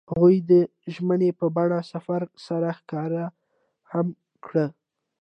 هغوی د ژمنې په بڼه سفر سره ښکاره هم کړه.